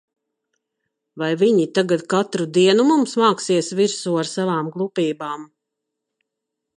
Vai viņi tagad katru dienu mums māksies virsū ar savām glupībām?